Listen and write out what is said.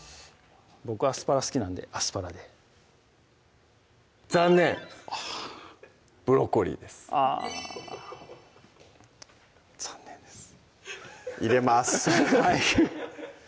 僕アスパラ好きなんでアスパラで残念あブロッコリーですあ残念です入れます